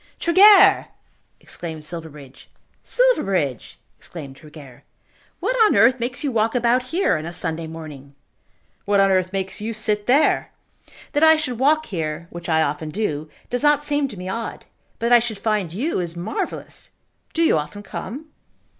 "Tregear!" exclaimed Silverbridge. "Silverbridge!" exclaimed Tregear. "What on earth makes you walk about here on a Sunday morning?" "What on earth makes you sit there? That I should walk here, which I often do, does not seem to me odd. But that I should find you is marvellous. Do you often come?"